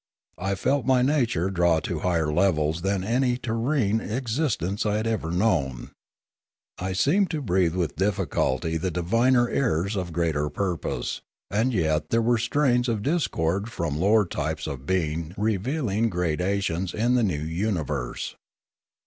I felt my nature drawn to higher levels than any terrene exist ence I had ever known. I seemed to breathe with The Firla, or Electric Sense 147 difficulty the diviner airs of greater purpose, and yet there were strains of discord from lower types of being revealing gradations in the new universe.